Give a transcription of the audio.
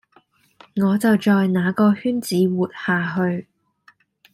我就在那個圈子活下去